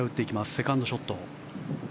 セカンドショット。